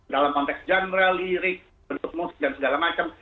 dalam konteks genre lirik bentuk musik dan segala macam